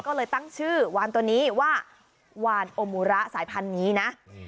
ก็เลยตั้งชื่อวานตัวนี้ว่าวานโอมูระสายพันธุ์นี้นะ